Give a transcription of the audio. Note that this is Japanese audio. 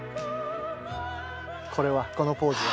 これはこのポーズは？